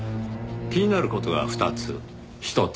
気になる事が２つ。